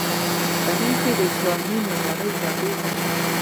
په هند کې د اسلامي معمارۍ یوه بېلګه.